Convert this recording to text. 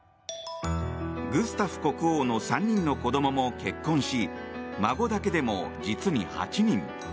グスタフ国王の３人の子供も結婚し孫だけでも実に８人。